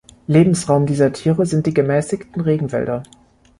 Lebensraum dieser Tiere sind die gemäßigten Regenwälder.